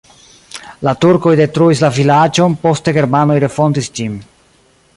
La turkoj detruis la vilaĝon, poste germanoj refondis ĝin.